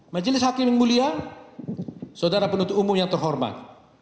majelis hakim yang mulia saudara penutup umum yang terhormat